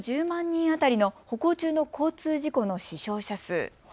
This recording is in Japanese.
１０万人当たりの歩行中の交通事故の死傷者数。